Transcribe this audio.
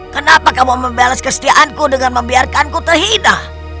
kenapa kamu membalas kesetiaanku dengan membiarkanku terhina